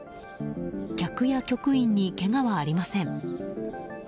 客や局員にけがはありません。